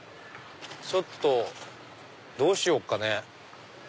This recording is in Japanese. ちょっとどうしようかね。